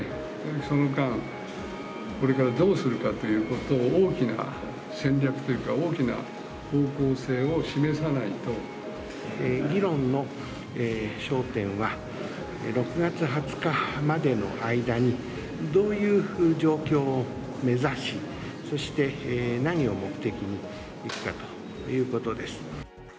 その間、これからどうするかということを大きな戦略というか、大きな方向議論の焦点は、６月２０日までの間に、どういう状況を目指し、そして何を目的にいくかということです。